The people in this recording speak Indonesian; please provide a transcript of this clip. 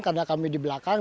karena kami di belakang